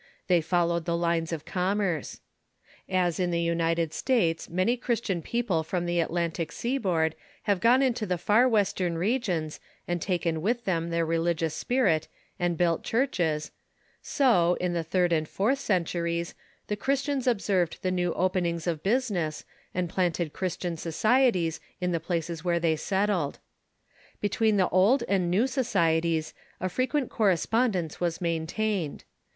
They followed the lines of commerce. As in the United States many Christian people from the Atlan tic seaboard have gone into the far western regions and taken with them their religious spirit, and built churches, so, in the third and fourth centuries, the Christians observed the new openings of business and planted Cliristian societies in the places Avhere they settled. Between the old and new socie ties a frequent correspondence was maintained.